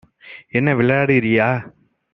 என்ன விளையாடுறியா?